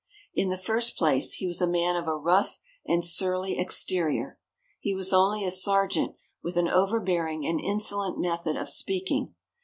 In the first place, he was a man of a rough and surly exterior. He was only a sergeant, with an overbearing and insolent method of speaking.